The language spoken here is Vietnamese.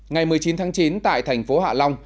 ngày một mươi chín tháng chín tại thành phố hạ long